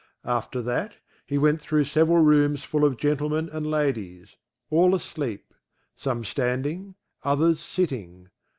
After that he went through several rooms full of gentlemen and ladies, all asleep, some standing, others sitting.